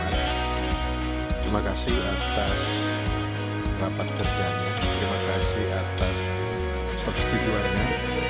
terima kasih atas rapat kerjanya terima kasih atas persetujuannya